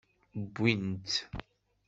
Wwin-tt.